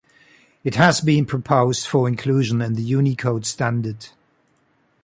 It has been proposed for inclusion in the Unicode Standard.